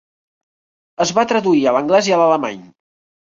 Es va traduir a l"anglès i a l"alemany.